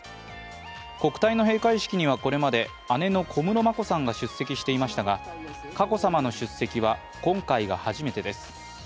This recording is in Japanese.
国体の閉会式にはこれまで姉の小室眞子さんが出席していましたが、佳子さまの出席は今回が初めてです。